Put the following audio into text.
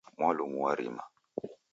Mwalumu w'arima